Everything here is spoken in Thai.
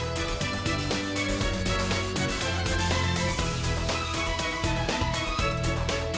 โปรดติดตามตอนต่อไป